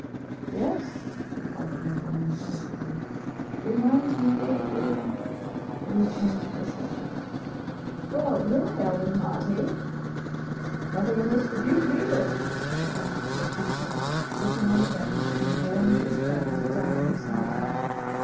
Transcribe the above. "Yes," replied the nobleman, pensively. "Reminds me vaguely—" but he changed the subject. "Well! You're hale and hearty!" "Nothing amiss with you, neither," laughed Sir Peter, sitting on the bench and drawing his friend down beside him.